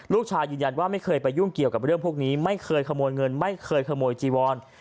ลูกชายยืนยันว่าไม่เคยไปยุ่งเกี่ยวกับเรื่องพวกนี้ไม่เคยขโมยเงินไม่เคยขโมยจีวอน